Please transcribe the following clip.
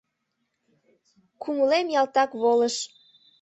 Кумылем ялтак волыш.